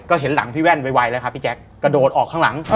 ก็เห็นหลังพี่แว่นไวแล้วครับพี่แจ๊คกระโดดออกข้างหลัง